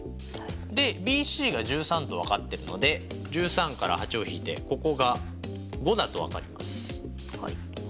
でＢＣが１３と分かっているので１３から８を引いてここが５だと分かります。